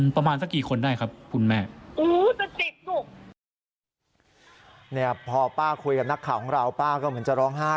ป้าแทนสกรูหนที่เดินบางกล้องลมามัดค่ะ